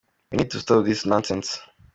We need to stop this nonsense!”.